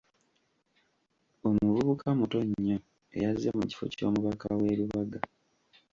Omuvubuka muto nnyo eyazze mu kifo ky'omubaka w'e Rubaga.